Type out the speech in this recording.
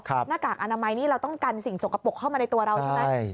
หน้ากากอนามัยนี่เราต้องกันสิ่งสกปรกเข้ามาในตัวเราใช่ไหม